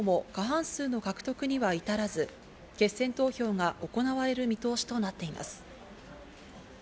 どちらの候補も過半数の獲得には至らず、決選投票が行われる見通しとなっています。